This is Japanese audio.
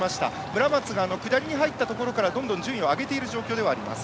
村松が下りに入ったところからどんどん順位を上げている状況ではあります。